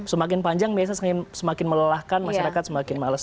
semakin panjang biasanya semakin melelahkan masyarakat semakin males